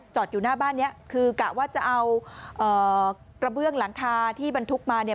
อยู่หน้าบ้านนี้คือกะว่าจะเอากระเบื้องหลังคาที่บรรทุกมาเนี่ย